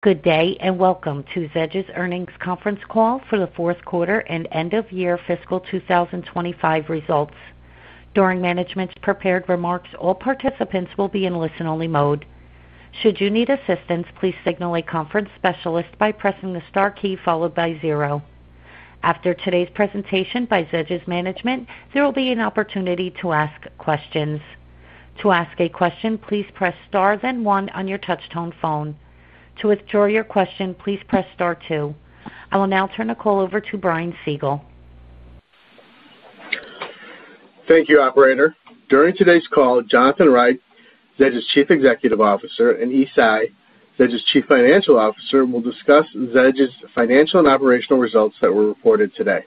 Good day and welcome to Zedge's earnings conference call for the fourth quarter and end-of-year fiscal 2025 results. During management's prepared remarks, all participants will be in listen-only mode. Should you need assistance, please signal a conference specialist by pressing the star key followed by zero. After today's presentation by Zedge's management, there will be an opportunity to ask questions. To ask a question, please press star then one on your touch-tone phone. To withdraw your question, please press star two. I will now turn the call over to Brian Siegel. Thank you, operator. During today's call, Jonathan Reich, Zedge's Chief Executive Officer, and Yi Tsai, Zedge's Chief Financial Officer, will discuss Zedge's financial and operational results that were reported today.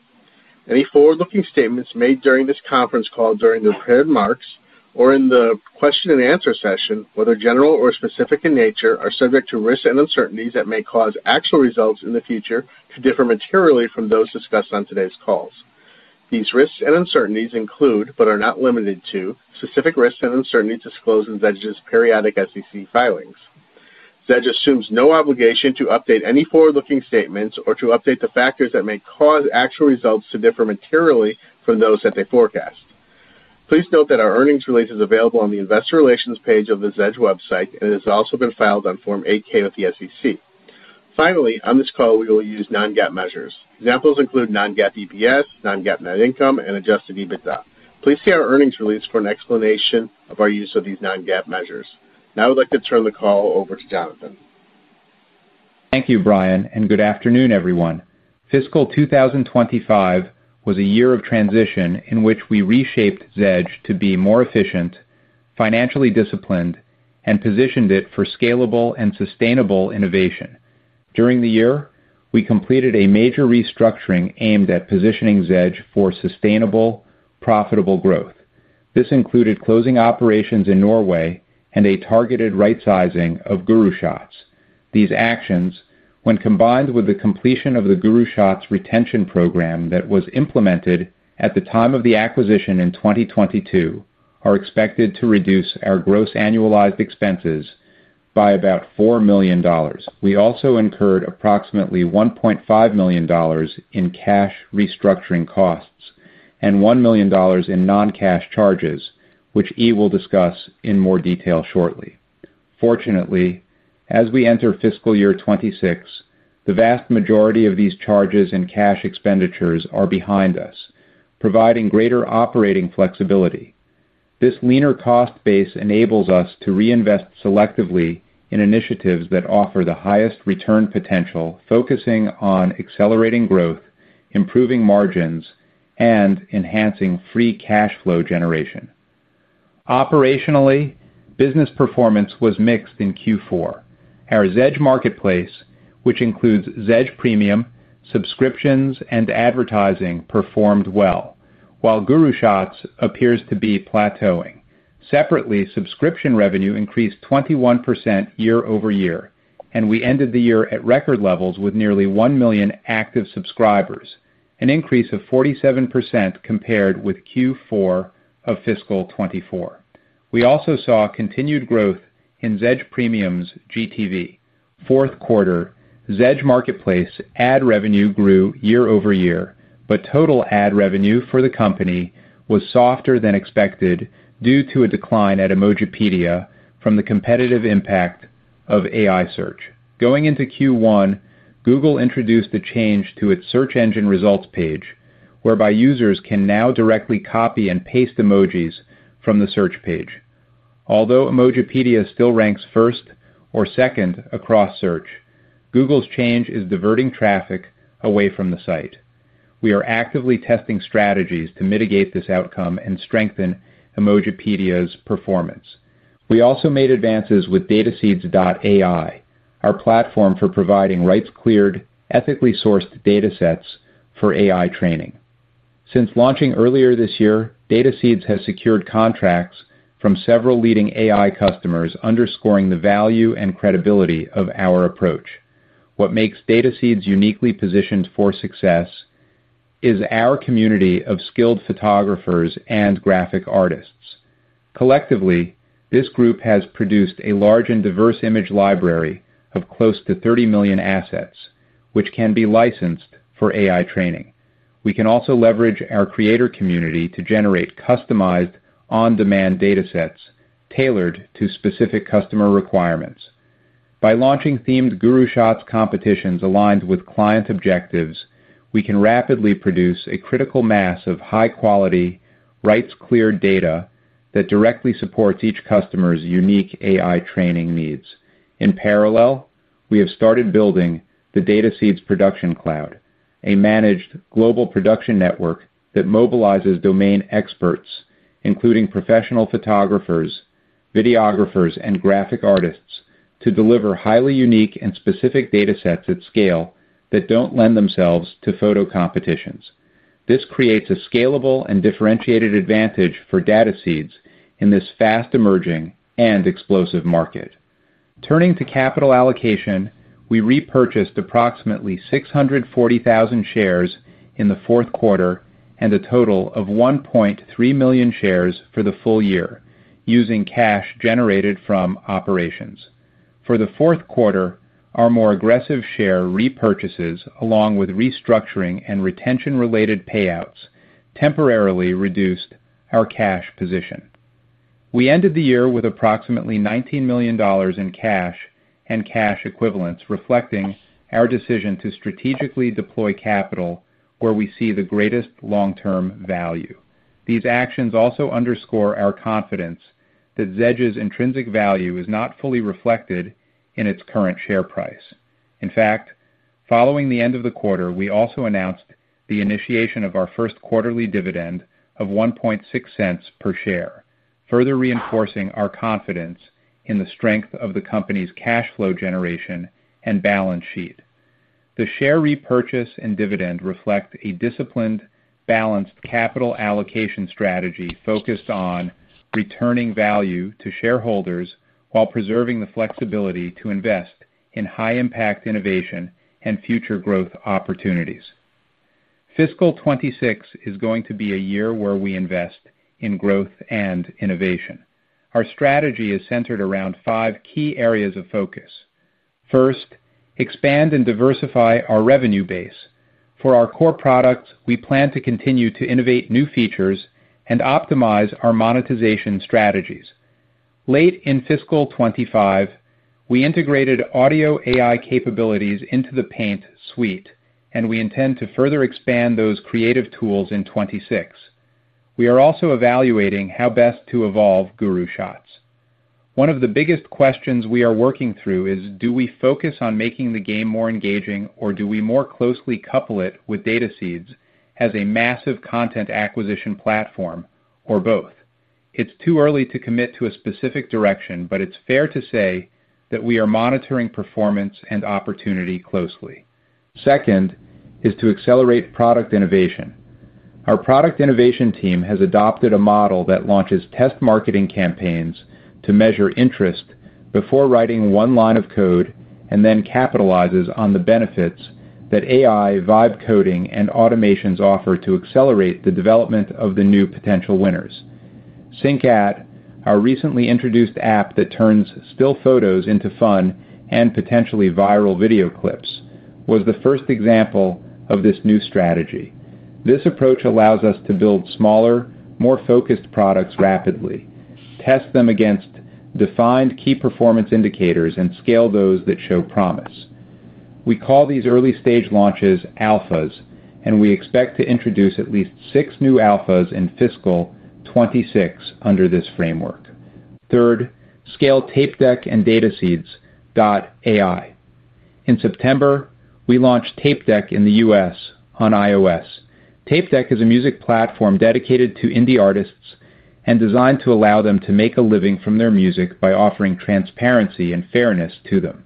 Any forward-looking statements made during this conference call, during the prepared remarks, or in the question-and-answer session, whether general or specific in nature, are subject to risks and uncertainties that may cause actual results in the future to differ materially from those discussed on today's calls. These risks and uncertainties include, but are not limited to, specific risks and uncertainties disclosed in Zedge's periodic SEC filings. Zedge assumes no obligation to update any forward-looking statements or to update the factors that may cause actual results to differ materially from those that they forecast. Please note that our earnings release is available on the Investor Relations page of the Zedge website, and it has also been filed on Form 8-K with the SEC. Finally, on this call, we will use non-GAAP measures. Examples include non-GAAP EPS, non-GAAP net income, and adjusted EBITDA. Please see our earnings release for an explanation of our use of these non-GAAP measures. Now I would like to turn the call over to Jonathan. Thank you, Brian, and good afternoon, everyone. Fiscal 2025 was a year of transition in which we reshaped Zedge to be more efficient, financially disciplined, and positioned it for scalable and sustainable innovation. During the year, we completed a major restructuring aimed at positioning Zedge for sustainable, profitable growth. This included closing operations in Norway and a targeted rightsizing of GuruShots. These actions, when combined with the completion of the GuruShots retention program that was implemented at the time of the acquisition in 2022, are expected to reduce our gross annualized expenses by about $4 million. We also incurred approximately $1.5 million in cash restructuring costs and $1 million in non-cash charges, which Yi Tsai will discuss in more detail shortly. Fortunately, as we enter fiscal year 2026, the vast majority of these charges and cash expenditures are behind us, providing greater operating flexibility. This leaner cost base enables us to reinvest selectively in initiatives that offer the highest return potential, focusing on accelerating growth, improving margins, and enhancing free cash flow generation. Operationally, business performance was mixed in Q4. Our Zedge Marketplace, which includes Zedge Premium, subscriptions, and advertising, performed well, while GuruShots appears to be plateauing. Separately, subscription revenue increased 21% year-over-year, and we ended the year at record levels with nearly 1 million active subscribers, an increase of 47% compared with Q4 of fiscal 2024. We also saw continued growth in Zedge Premium's GTV. In the fourth quarter, Zedge Marketplace ad revenue grew year over year, but total ad revenue for the company was softer than expected due to a decline at Emojipedia from the competitive impact of AI search. Going into Q1, Google introduced a change to its search engine results page, whereby users can now directly copy and paste emojis from the search page. Although Emojipedia still ranks first or second across search, Google's change is diverting traffic away from the site. We are actively testing strategies to mitigate this outcome and strengthen Emojipedia's performance. We also made advances with DataSeeds.AI, our platform for providing rights-cleared, ethically sourced datasets for AI training. Since launching earlier this year, DataSeeds.AI has secured contracts from several leading AI customers, underscoring the value and credibility of our approach. What makes DataSeeds.AI uniquely positioned for success is our community of skilled photographers and graphic artists. Collectively, this group has produced a large and diverse image library of close to 30 million assets, which can be licensed for AI training. We can also leverage our creator community to generate customized, on-demand datasets tailored to specific customer requirements. By launching themed GuruShots competitions aligned with client objectives, we can rapidly produce a critical mass of high-quality, rights-cleared data that directly supports each customer's unique AI training needs. In parallel, we have started building the DataSeeds Production Cloud, a managed global production network that mobilizes domain experts, including professional photographers, videographers, and graphic artists, to deliver highly unique and specific datasets at scale that don't lend themselves to photo competitions. This creates a scalable and differentiated advantage for DataSeeds in this fast-emerging and explosive market. Turning to capital allocation, we repurchased approximately 640,000 shares in the fourth quarter and a total of 1.3 million shares for the full year, using cash generated from operations. For the fourth quarter, our more aggressive share repurchases, along with restructuring and retention-related payouts, temporarily reduced our cash position. We ended the year with approximately $19 million in cash and cash equivalents, reflecting our decision to strategically deploy capital where we see the greatest long-term value. These actions also underscore our confidence that Zedge's intrinsic value is not fully reflected in its current share price. In fact, following the end of the quarter, we also announced the initiation of our first quarterly dividend of $0.016 per share, further reinforcing our confidence in the strength of the company's cash flow generation and balance sheet. The share repurchase and dividend reflect a disciplined, balanced capital allocation strategy focused on returning value to shareholders while preserving the flexibility to invest in high-impact innovation and future growth opportunities. Fiscal 2026 is going to be a year where we invest in growth and innovation. Our strategy is centered around five key areas of focus. First, expand and diversify our revenue base. For our core products, we plan to continue to innovate new features and optimize our monetization strategies. Late in fiscal 2025, we integrated audio AI capabilities into the paint suite, and we intend to further expand those creative tools in 2026. We are also evaluating how best to evolve GuruShots. One of the biggest questions we are working through is, do we focus on making the game more engaging, or do we more closely couple it with DataSeeds as a massive content acquisition platform, or both? It's too early to commit to a specific direction, but it's fair to say that we are monitoring performance and opportunity closely. Second is to accelerate product innovation. Our product innovation team has adopted a model that launches test marketing campaigns to measure interest before writing one line of code and then capitalizes on the benefits that AI, vibe coding, and automations offer to accelerate the development of the new potential winners. Syncat, our recently introduced app that turns still photos into fun and potentially viral video clips, was the first example of this new strategy. This approach allows us to build smaller, more focused products rapidly, test them against defined key performance indicators, and scale those that show promise. We call these early-stage launches alphas, and we expect to introduce at least six new alphas in fiscal 2026 under this framework. Third, scale TapeDeck and DataSeeds.AI. In September, we launched TapeDeck in the U.S. on iOS. TapeDeck is a music platform dedicated to indie artists and designed to allow them to make a living from their music by offering transparency and fairness to them.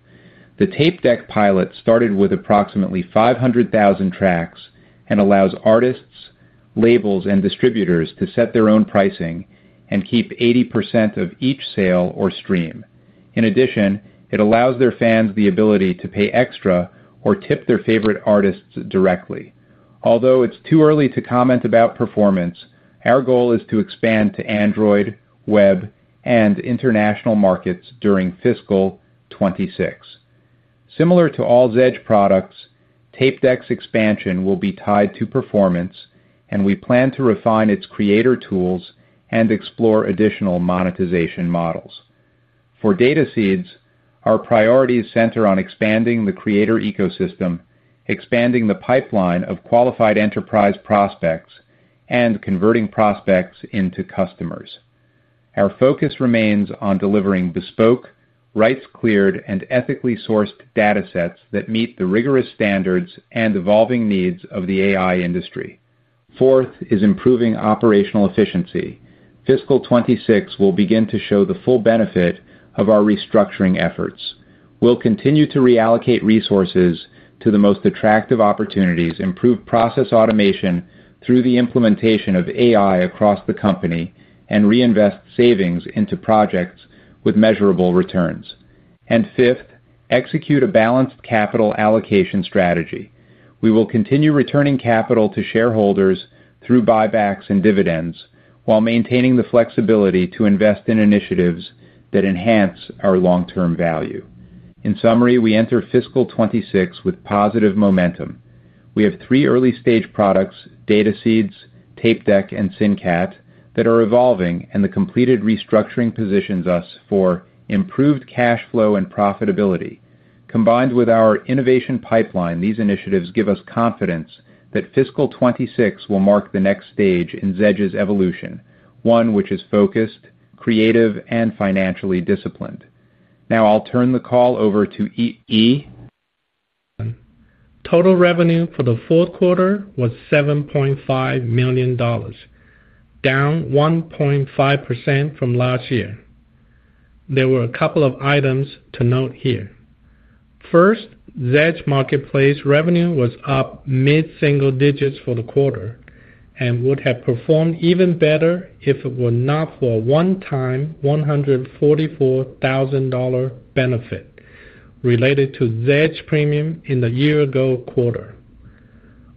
The TapeDeck pilot started with approximately 500,000 tracks and allows artists, labels, and distributors to set their own pricing and keep 80% of each sale or stream. In addition, it allows their fans the ability to pay extra or tip their favorite artists directly. Although it's too early to comment about performance, our goal is to expand to Android, web, and international markets during fiscal 2026. Similar to all Zedge products, TapeDeck's expansion will be tied to performance, and we plan to refine its creator tools and explore additional monetization models. For DataSeeds, our priorities center on expanding the creator ecosystem, expanding the pipeline of qualified enterprise prospects, and converting prospects into customers. Our focus remains on delivering bespoke, rights-cleared, and ethically sourced datasets that meet the rigorous standards and evolving needs of the AI industry. Fourth is improving operational efficiency. Fiscal 2026 will begin to show the full benefit of our restructuring efforts. We will continue to reallocate resources to the most attractive opportunities, improve process automation through the implementation of AI across the company, and reinvest savings into projects with measurable returns. Fifth, execute a balanced capital allocation strategy. We will continue returning capital to shareholders through buybacks and dividends, while maintaining the flexibility to invest in initiatives that enhance our long-term value. In summary, we enter fiscal 2026 with positive momentum. We have three early-stage products: DataSeeds.AI, TapeDeck, and Syncat that are evolving, and the completed restructuring positions us for improved cash flow and profitability. Combined with our innovation pipeline, these initiatives give us confidence that fiscal 2026 will mark the next stage in Zedge's evolution, one which is focused, creative, and financially disciplined. Now, I'll turn the call over to Yi. Total revenue for the fourth quarter was $7.5 million, down 1.5% from last year. There were a couple of items to note here. First, Zedge Marketplace revenue was up mid-single digits for the quarter and would have performed even better if it were not for a one-time $144,000 benefit related to Zedge Premium in the year ago quarter.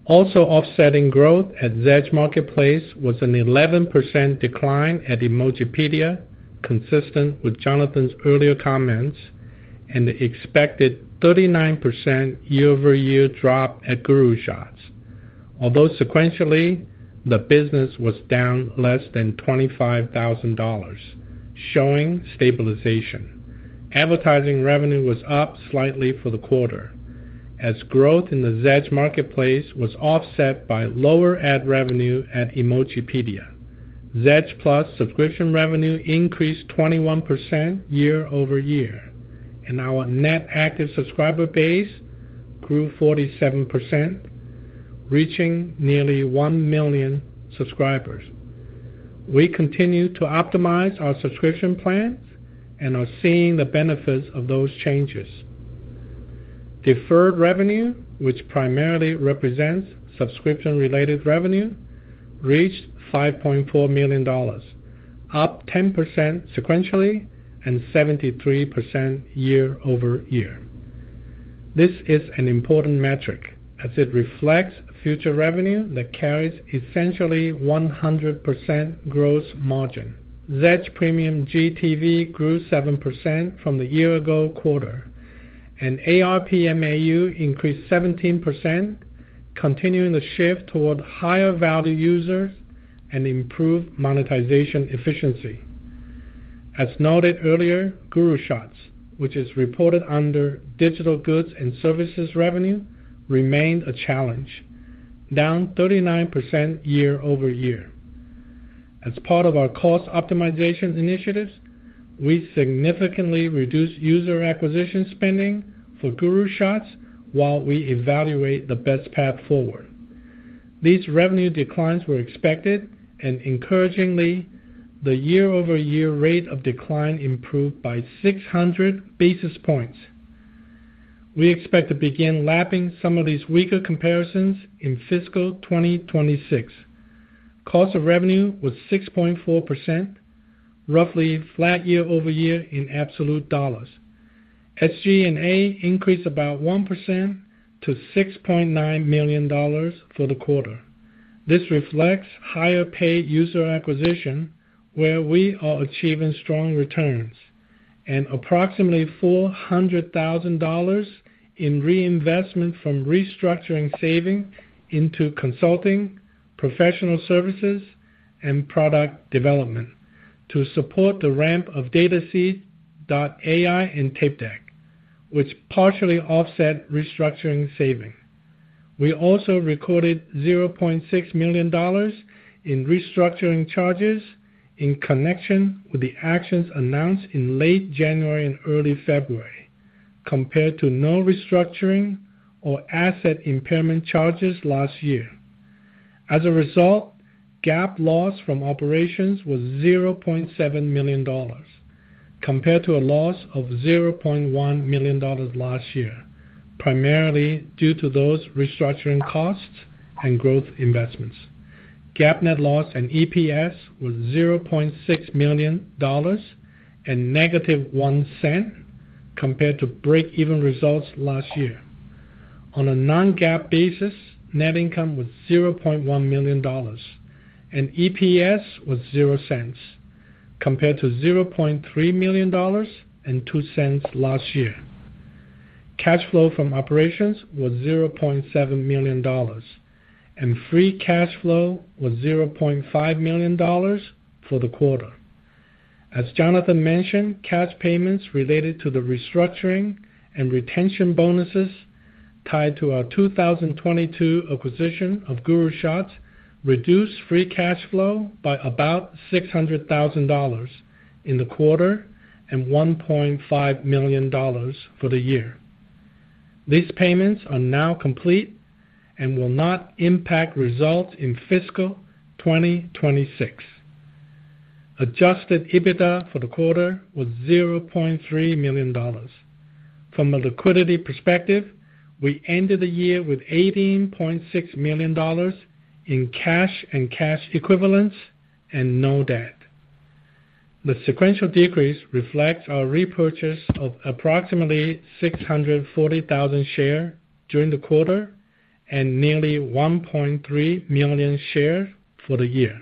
Also offsetting growth at Zedge Marketplace was an 11% decline at Emojipedia, consistent with Jonathan's earlier comments, and the expected 39% year-over-year drop at GuruShots. Although sequentially, the business was down less than $25,000, showing stabilization. Advertising revenue was up slightly for the quarter, as growth in the Zedge Marketplace was offset by lower ad revenue at Emojipedia. Zedge Plus subscription revenue increased 21% year over year, and our net active subscriber base grew 47%, reaching nearly 1 million subscribers. We continue to optimize our subscription plans and are seeing the benefits of those changes. Deferred revenue, which primarily represents subscription-related revenue, reached $5.4 million, up 10% sequentially and 73% year-over-year. This is an important metric, as it reflects future revenue that carries essentially 100% gross margin. Zedge Premium GTV grew 7% from the year ago quarter, and ARPMAU increased 17%, continuing the shift toward higher-value users and improved monetization efficiency. As noted earlier, GuruShots, which is reported under digital goods and services revenue, remained a challenge, down 39% year-over-year. As part of our cost optimization initiatives, we significantly reduced user acquisition spending for GuruShots while we evaluate the best path forward. These revenue declines were expected, and encouragingly, the year-over-year rate of decline improved by 600 basis points. We expect to begin lapping some of these weaker comparisons in fiscal 2026. Cost of revenue was 6.4%, roughly flat year over year in absolute dollars. SG&A increased about 1% to $6.9 million for the quarter. This reflects higher pay user acquisition, where we are achieving strong returns, and approximately $400,000 in reinvestment from restructuring saving into consulting, professional services, and product development to support the ramp of DataSeeds.AI and TapeDeck, which partially offset restructuring saving. We also recorded $0.6 million in restructuring charges in connection with the actions announced in late January and early February, compared to no restructuring or asset impairment charges last year. As a result, GAAP loss from operations was $0.7 million, compared to a loss of $0.1 million last year, primarily due to those restructuring costs and growth investments. GAAP net loss and EPS were $0.6 million and negative $0.01, compared to break-even results last year. On a non-GAAP basis, net income was $0.1 million and EPS was $0.00, compared to $0.3 million and $0.02 last year. Cash flow from operations was $0.7 million, and free cash flow was $0.5 million for the quarter. As Jonathan mentioned, cash payments related to the restructuring and retention bonuses tied to our 2022 acquisition of GuruShots reduced free cash flow by about $600,000 in the quarter and $1.5 million for the year. These payments are now complete and will not impact results in fiscal 2026. Adjusted EBITDA for the quarter was $0.3 million. From a liquidity perspective, we ended the year with $18.6 million in cash and cash equivalents and no debt. The sequential decrease reflects our repurchase of approximately 640,000 shares during the quarter and nearly 1.3 million shares for the year.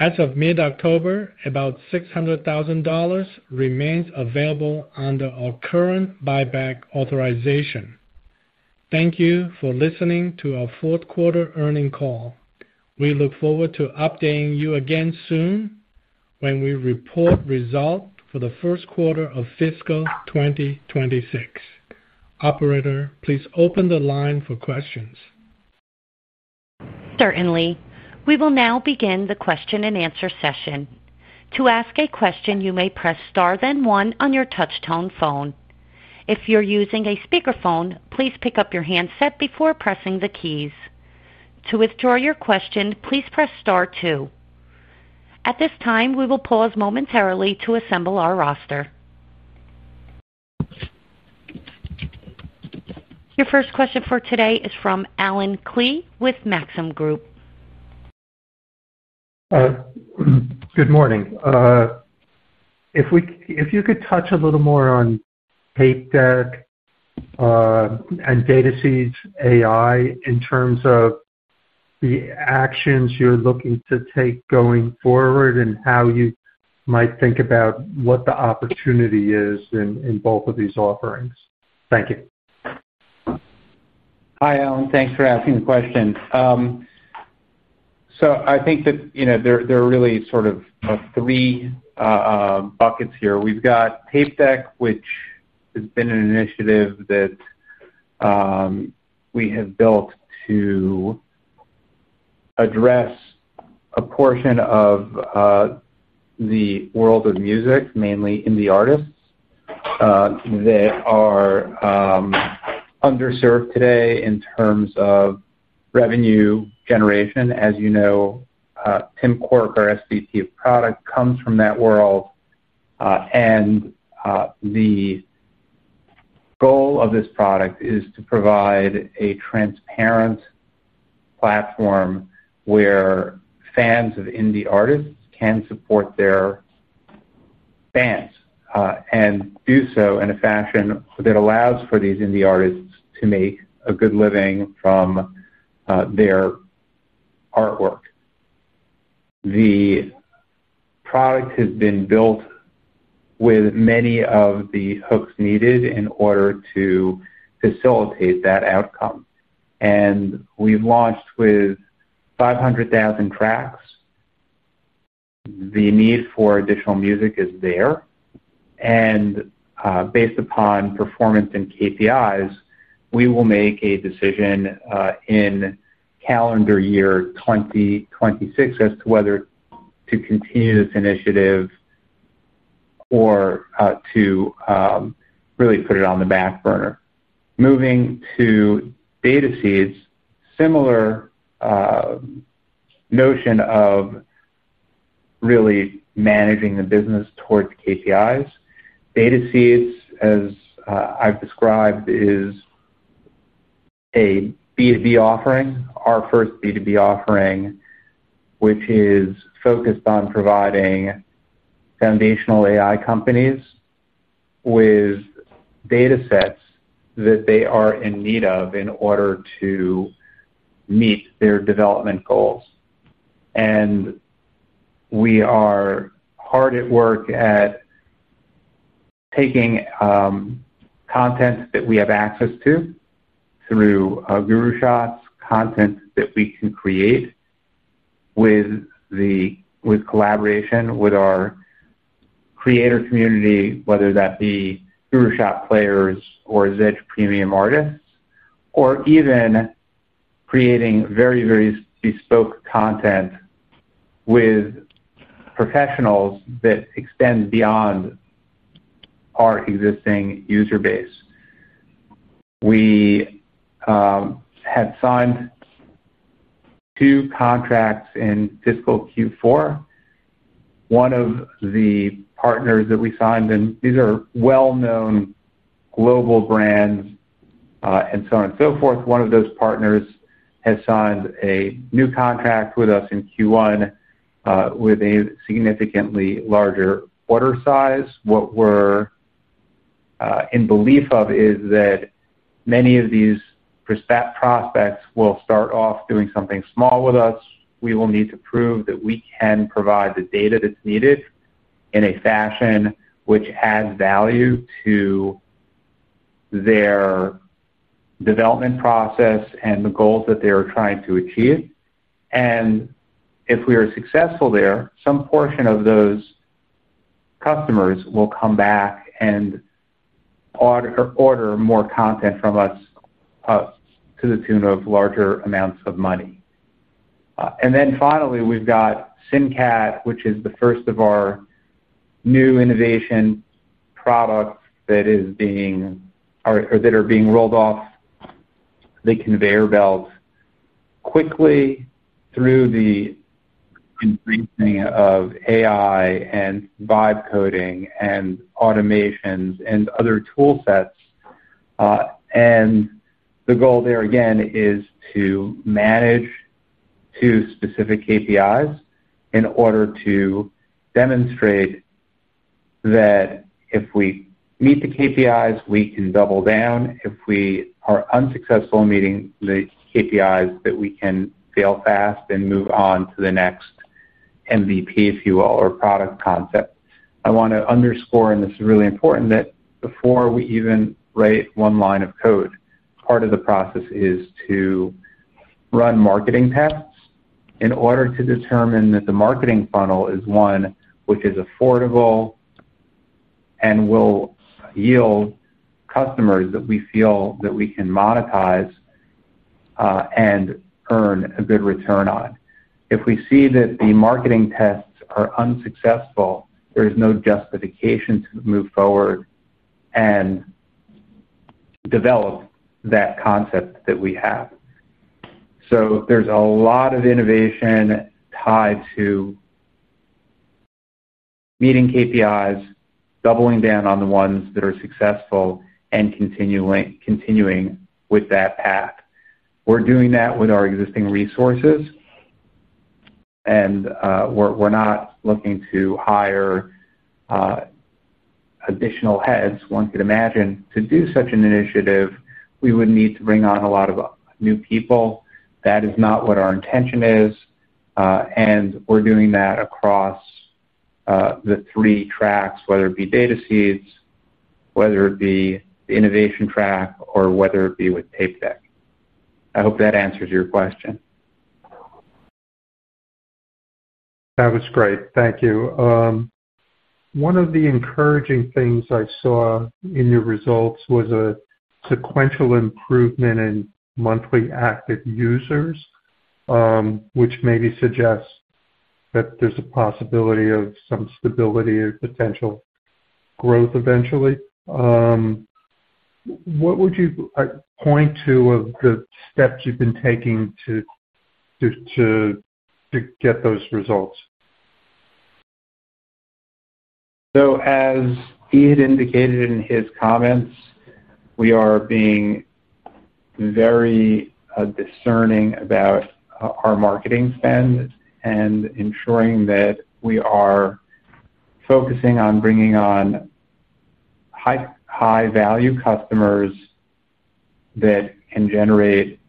As of mid-October, about $600,000 remains available under our current buyback authorization. Thank you for listening to our fourth quarter earnings call. We look forward to updating you again soon when we report results for the first quarter of fiscal 2026. Operator, please open the line for questions. Certainly. We will now begin the question-and-answer session. To ask a question, you may press star then one on your touch-tone phone. If you're using a speakerphone, please pick up your handset before pressing the keys. To withdraw your question, please press star two. At this time, we will pause momentarily to assemble our roster. Your first question for today is from Allen Klee with Maxim Group. All right. Good morning. If you could touch a little more on TapeDeck and DataSeeds.AI in terms of the actions you're looking to take going forward and how you might think about what the opportunity is in both of these offerings. Thank you. Hi, Allen. Thanks for asking the question. I think that, you know, there are really sort of three buckets here. We've got TapeDeck, which has been an initiative that we have built to address a portion of the world of music, mainly indie artists, that are underserved today in terms of revenue generation. As you know, Pimcore, our SVT product, comes from that world. The goal of this product is to provide a transparent platform where fans of indie artists can support their fans and do so in a fashion that allows for these indie artists to make a good living from their artwork. The product has been built with many of the hooks needed in order to facilitate that outcome. We've launched with 500,000 tracks. The need for additional music is there. Based upon performance and KPIs, we will make a decision in calendar year 2026 as to whether to continue this initiative or to really put it on the back burner. Moving to DataSeeds, similar notion of really managing the business towards KPIs. DataSeeds, as I've described, is a B2B offering, our first B2B offering, which is focused on providing foundational AI companies with datasets that they are in need of in order to meet their development goals. We are hard at work at taking content that we have access to through GuruShots, content that we can create with collaboration with our creator community, whether that be GuruShots players or Zedge Premium artists, or even creating very, very bespoke content with professionals that extend beyond our existing user base. We have signed two contracts in fiscal Q4. One of the partners that we signed, and these are well-known global brands, and so on and so forth, one of those partners has signed a new contract with us in Q1 with a significantly larger order size. What we're in belief of is that many of these prospects will start off doing something small with us. We will need to prove that we can provide the data that's needed in a fashion which adds value to their development process and the goals that they are trying to achieve. If we are successful there, some portion of those customers will come back and order more content from us to the tune of larger amounts of money. Finally, we've got Syncat, which is the first of our new innovation products that are being rolled off the conveyor belt quickly through the embracing of AI and vibe coding and automations and other toolsets. The goal there, again, is to manage two specific KPIs in order to demonstrate that if we meet the KPIs, we can double down. If we are unsuccessful in meeting the KPIs, we can fail fast and move on to the next MVP, if you will, or product concept. I want to underscore, and this is really important, that before we even write one line of code, part of the process is to run marketing tests in order to determine that the marketing funnel is one which is affordable and will yield customers that we feel we can monetize and earn a good return on. If we see that the marketing tests are unsuccessful, there is no justification to move forward and develop that concept that we have. There is a lot of innovation tied to meeting KPIs, doubling down on the ones that are successful, and continuing with that path. We are doing that with our existing resources, and we are not looking to hire additional heads. One could imagine to do such an initiative, we would need to bring on a lot of new people. That is not what our intention is. We are doing that across the three tracks, whether it be DataSeeds, whether it be the innovation track, or whether it be with TapeDeck. I hope that answers your question. That was great. Thank you. One of the encouraging things I saw in your results was a sequential improvement in monthly active users, which maybe suggests that there's a possibility of some stability and potential growth eventually. What would you point to of the steps you've been taking to get those results? As Yi had indicated in his comments, we are being very discerning about our marketing spend and ensuring that we are focusing on bringing on high-value customers that can generate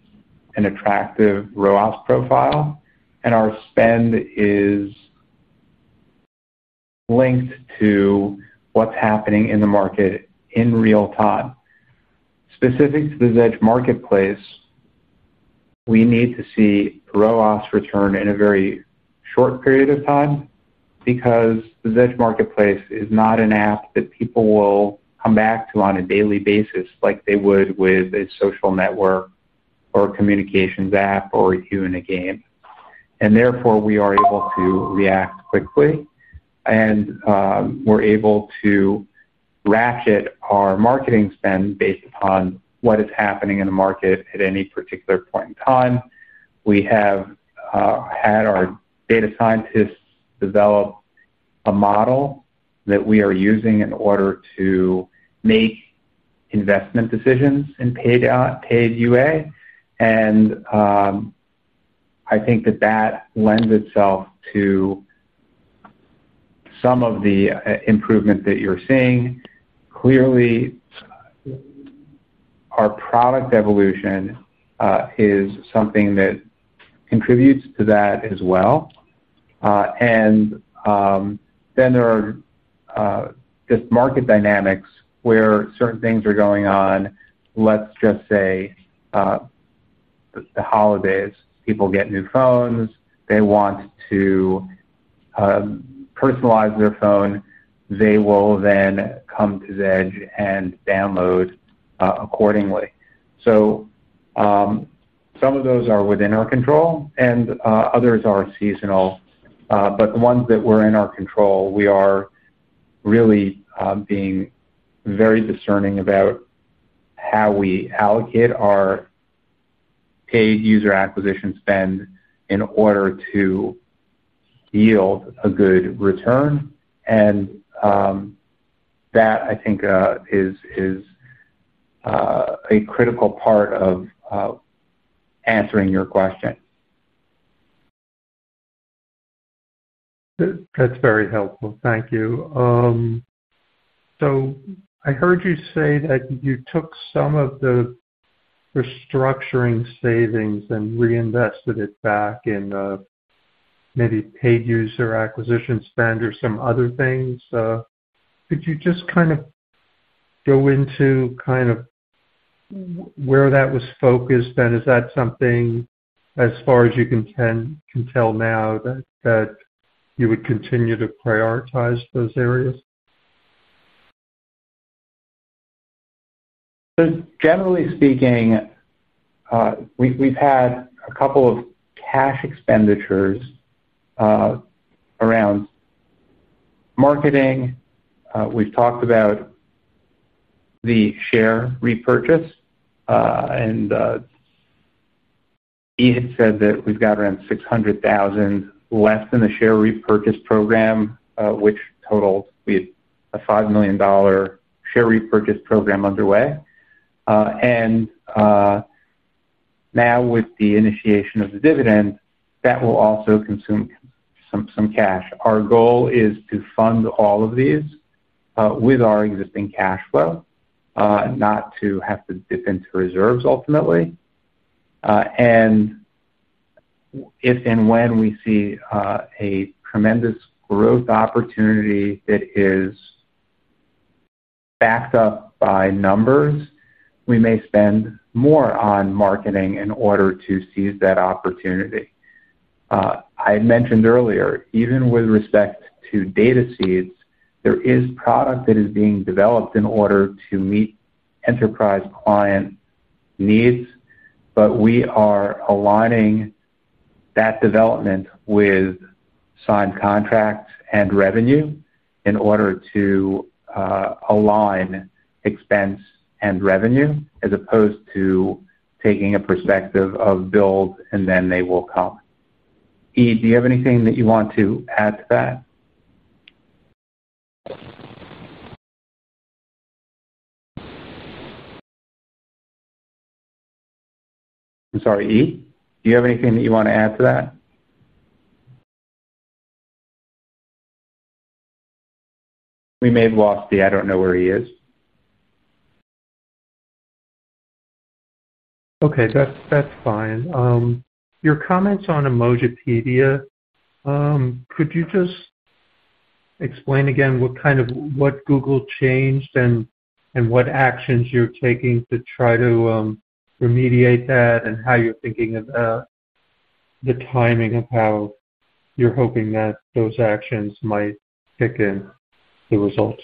an attractive ROAS profile. Our spend is linked to what's happening in the market in real time. Specific to the Zedge Marketplace, we need to see ROAS return in a very short period of time because the Zedge Marketplace is not an app that people will come back to on a daily basis like they would with a social network or a communications app or even a game. Therefore, we are able to react quickly, and we're able to ratchet our marketing spend based upon what is happening in the market at any particular point in time. We have had our data scientists develop a model that we are using in order to make investment decisions in paid UA, and I think that that lends itself to some of the improvement that you're seeing. Clearly, our product evolution is something that contributes to that as well. There are just market dynamics where certain things are going on. Let's just say the holidays. People get new phones. They want to personalize their phone, they will then come to Zedge and download accordingly. Some of those are within our control, and others are seasonal. The ones that were in our control, we are really being very discerning about how we allocate our paid user acquisition spend in order to yield a good return. That, I think, is a critical part of answering your question. That's very helpful. Thank you. I heard you say that you took some of the restructuring savings and reinvested it back in maybe paid user acquisition spend or some other things. Could you just go into where that was focused, and is that something, as far as you can tell now, that you would continue to prioritize those areas? Generally speaking, we've had a couple of cash expenditures around marketing. We've talked about the share repurchase, and Yi had said that we've got around $600,000 left in the share repurchase program, which totaled a $5 million share repurchase program underway. Now, with the initiation of the dividend, that will also consume some cash. Our goal is to fund all of these with our existing cash flow, not to have to dip into reserves ultimately. If and when we see a tremendous growth opportunity that is backed up by numbers, we may spend more on marketing in order to seize that opportunity. I had mentioned earlier, even with respect to DataSeeds, there is product that is being developed in order to meet enterprise client needs, but we are aligning that development with signed contracts and revenue in order to align expense and revenue as opposed to taking a perspective of build, and then they will come. Yi, do you have anything that you want to add to that? I'm sorry, Yi? Do you have anything that you want to add to that? We may have lost Yi. I don't know where he is. Okay. That's fine. Your comments on Emojipedia, could you just explain again what kind of what Google changed, and what actions you're taking to try to remediate that, and how you're thinking about the timing of how you're hoping that those actions might kick in the results?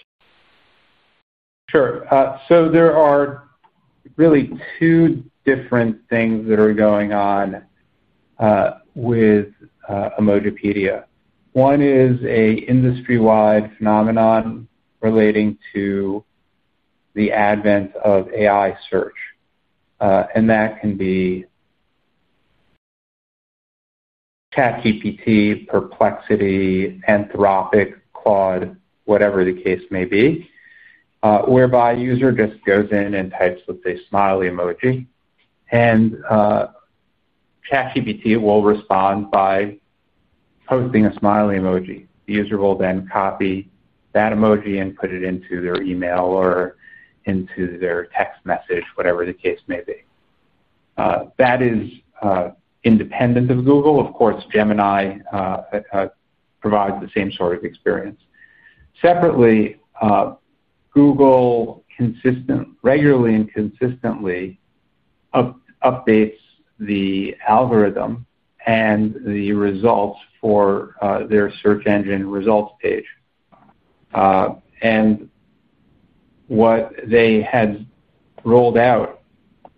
Sure. There are really two different things that are going on with Emojipedia. One is an industry-wide phenomenon relating to the advent of AI search. That can be ChatGPT, Perplexity, Anthropic, Claude, whatever the case may be, whereby a user just goes in and types with a smiley emoji, and ChatGPT will respond by posting a smiley emoji. The user will then copy that emoji and put it into their email or into their text message, whatever the case may be. That is independent of Google. Of course, Gemini provides the same sort of experience. Separately, Google regularly and consistently updates the algorithm and the results for their search engine results page. What they had rolled out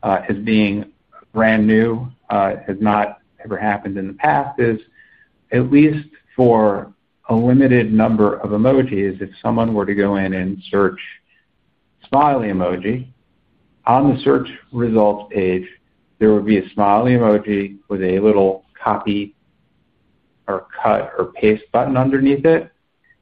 as being brand new, it has not ever happened in the past, is at least for a limited number of emojis, if someone were to go in and search "smiley emoji," on the search results page, there would be a smiley emoji with a little copy or cut or paste button underneath it.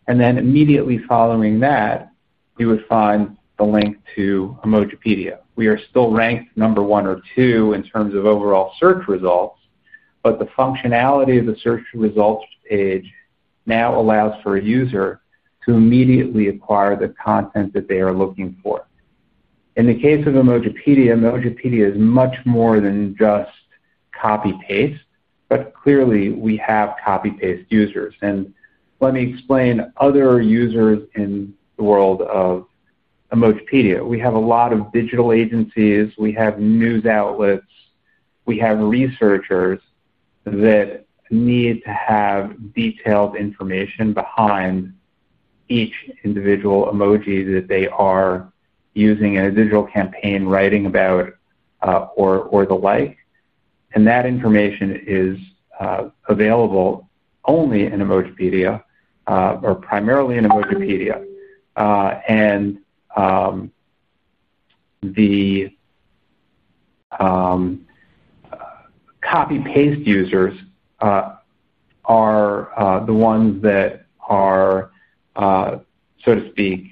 Immediately following that, you would find the link to Emojipedia. We are still ranked number one or two in terms of overall search results, but the functionality of the search results page now allows for a user to immediately acquire the content that they are looking for. In the case of Emojipedia, Emojipedia is much more than just copy-paste, but clearly, we have copy-paste users. Let me explain other users in the world of Emojipedia. We have a lot of digital agencies. We have news outlets. We have researchers that need to have detailed information behind each individual emoji that they are using in a digital campaign, writing about, or the like. That information is available only in Emojipedia or primarily in Emojipedia. The copy-paste users are the ones that are, so to speak,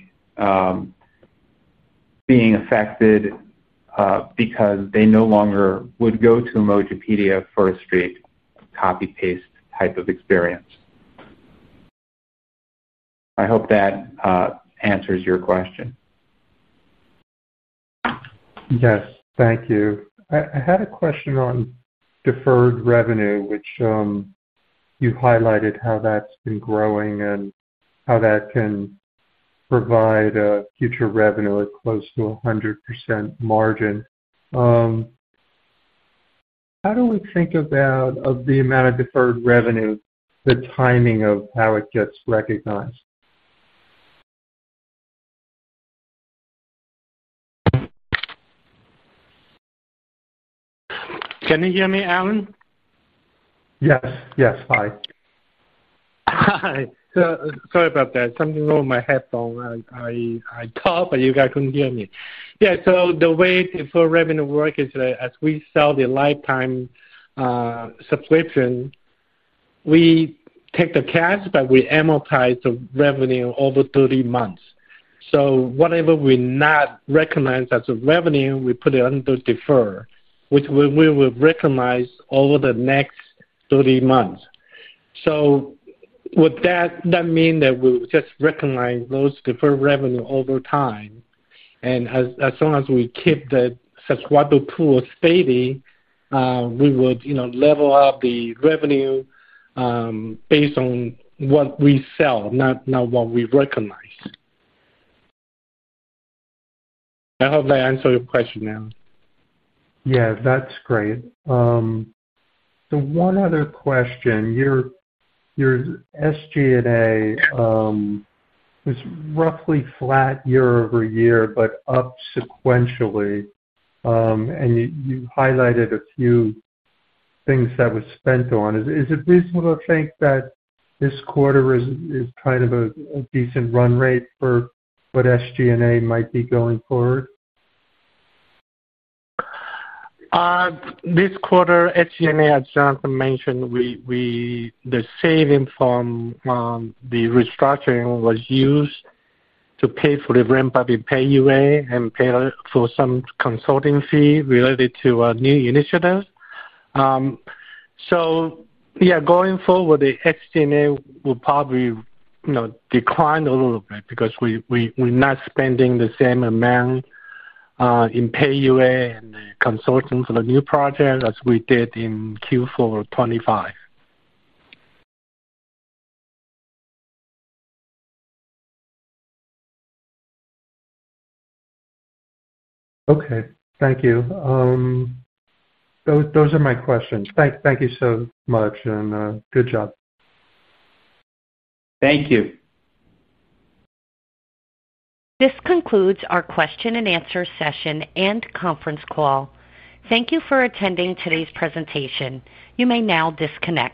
being affected because they no longer would go to Emojipedia for a straight copy-paste type of experience. I hope that answers your question. Yes. Thank you. I had a question on deferred revenue, which you highlighted how that's been growing and how that can provide a future revenue at close to 100% margin. How do we think about the amount of deferred revenue, the timing of how it gets recognized? Can you hear me, Allen? Yes. Hi. Hi. Sorry about that. Something was wrong with my headphone. I talked, but you guys couldn't hear me. The way deferred revenue works is that as we sell the lifetime subscription, we take the cash, but we amortize the revenue over 30 months. Whatever we're not recognizing as revenue, we put it under deferred, which we will recognize over the next 30 months. That means we will just recognize those deferred revenue over time. As long as we keep the subscriber pool steady, we would level up the revenue based on what we sell, not what we recognize. I hope that answered your question. That's great. One other question. Your SG&A was roughly flat year-over-year, but up sequentially, and you highlighted a few things that were spent on. Is it reasonable to think that this quarter is kind of a decent run rate for what SG&A might be going forward? This quarter, SG&A, as Jonathan mentioned, the savings from the restructuring was used to pay for the ramp-up in paid user acquisition and pay for some consulting fee related to a new initiative. Going forward, the SG&A will probably decline a little bit because we're not spending the same amount in paid user acquisition and the consulting for the new project as we did in Q4 2025. Okay. Thank you. Those are my questions. Thank you so much, and good job. Thank you. This concludes our question-and-answer session and conference call. Thank you for attending today's presentation. You may now disconnect.